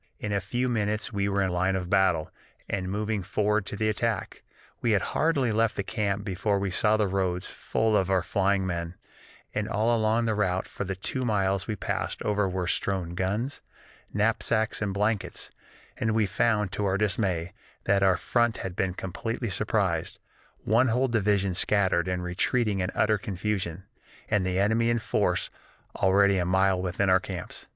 In a few minutes we were in line of battle, and moving forward to the attack. We had hardly left the camp before we saw the roads full of our flying men, and all along the route for the two miles we passed over were strewn guns, knapsacks, and blankets, and we found, to our dismay, that our front had been completely surprised, one whole division scattered and retreating in utter confusion, and the enemy in force already a mile within our camps.